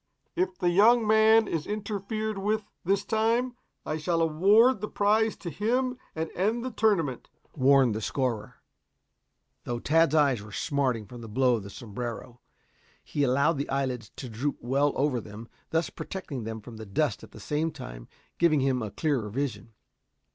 "If the young man is interfered with this time, I shall award the prize to him and end the tournament," warned the scorer. Though Tad's eyes were smarting from the blow of the sombrero, he allowed the eyelids to droop well over them, thus protecting them from the dust and at the same time giving him a clearer vision.